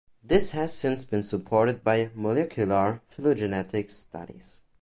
This has since been supported by molecular phylogenetic studies.